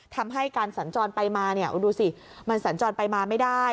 ทำให้การสัญจรไปมาเนี่ยดูสิมันสัญจรไปมาไม่ได้